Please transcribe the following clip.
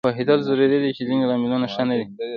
پوهېدل ضروري دي چې ځینې لاملونه ښه نه دي